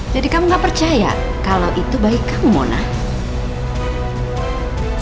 jadi kamu gak percaya kalau itu bayi kamu nah